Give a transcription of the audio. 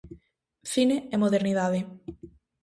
Cine e modernidade.